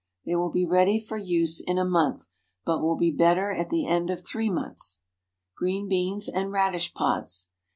They will be ready for use in a month, but will be better at the end of three months. GREEN BEANS AND RADISH PODS.